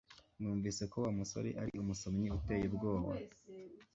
Numvise ko Wa musore ari umusomyi uteye ubwoba